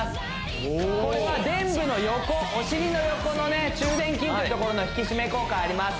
おおこれは臀部の横お尻の横の中殿筋というところの引き締め効果あります